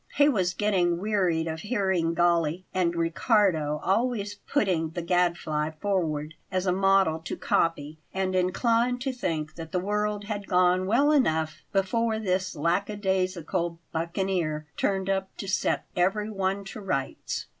He was getting wearied of hearing Galli and Riccardo always put the Gadfly forward as a model to copy, and inclined to think that the world had gone well enough before this "lackadaisical buccaneer" turned up to set everyone to rights.